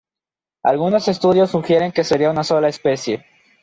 Algunos estudios sugieren que serían una sola especie.